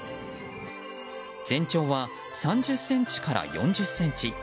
全長は３０ｃｍから４０ｃｍ。